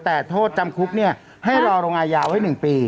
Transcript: แต่โทษจำคุกนี่ให้รอโรงงานยาวให้๑ปี